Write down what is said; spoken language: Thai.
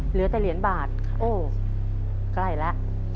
เหรียญแต่เหรียญบาทโอ้ไกลละ